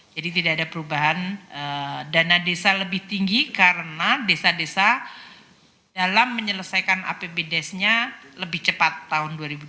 jadi tidak ada perubahan dana desa lebih tinggi karena desa desa dalam menyelesaikan apbdes nya lebih cepat tahun dua ribu dua puluh empat